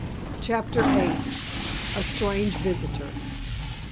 CHAPTER VIII. A STRANGE VISITOR.